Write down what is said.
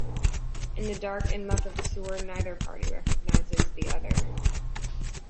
In the dark and muck of the sewer, neither party recognizes the other.